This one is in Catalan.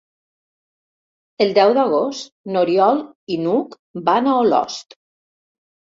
El deu d'agost n'Oriol i n'Hug van a Olost.